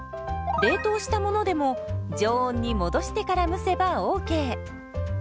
冷凍したものでも常温に戻してから蒸せばＯＫ。